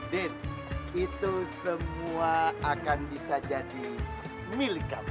din itu semua akan bisa jadi milik kamu